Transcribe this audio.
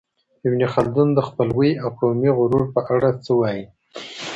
ابن خلدون د خپلوۍ او قومي غرور په اړه څه وايي؟